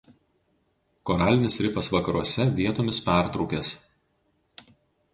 Koralinis rifas vakaruose vietomis pertrūkęs.